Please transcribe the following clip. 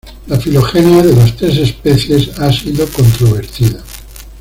La filogenia de las tres especies ha sido controvertida.